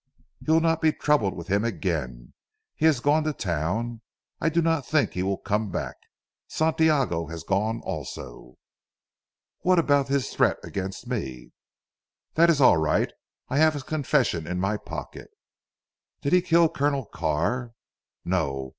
"You will not be troubled with him again. He has gone to town. I do not think he will come back. Santiago has gone also." "What about his threat against me?" "That is alright. I have his confession in my pocket." "Did he kill Colonel Carr?" "No!